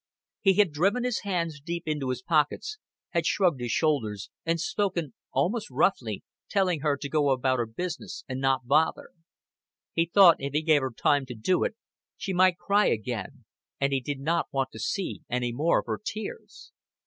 He had driven his hands deep into his pockets, had shrugged his shoulders, and spoken almost roughly telling her to go about her business, and not bother. He thought if he gave her time to do it, she might cry again; and he did not want to see any more of her tears.